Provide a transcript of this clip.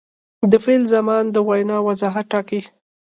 د فعل زمان د وینا وضاحت ټاکي.